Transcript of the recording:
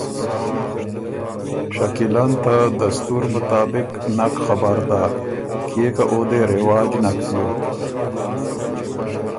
شکیلۀ ن ته دستور مطابق نک خبر داک، کيې او دې رواج نک بیوک۔